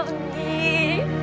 aku masih ada disini